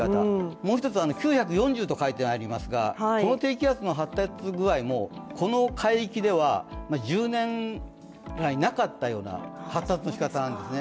もう一つは９４０と書いてありますが、この低気圧の発達具合もこの海域では１０年来なかったような発達のしかたなんですよね。